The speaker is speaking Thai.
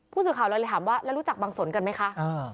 ผู้สื่อข่าวเราเลยถามว่าแล้วรู้จักบางสนกันไหมคะ